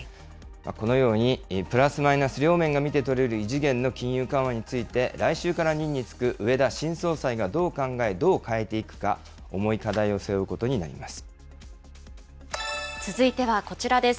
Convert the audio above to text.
このようにプラスマイナス両面が見て取れる異次元の金融緩和について、来週から任に就く植田新総裁がどう考え、どう変えていくか、続いてはこちらです。